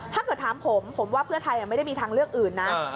ถ้าเกิดถามผมผมว่าเพื่อไทยไม่ได้มีทางเลือกอื่นนะ